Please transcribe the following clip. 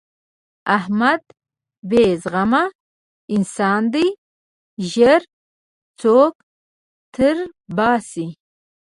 احمد بې زغمه انسان دی؛ ژر سوک تر باسي.